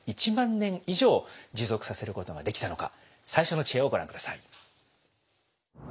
１万年以上持続させることができたのか最初の知恵をご覧下さい。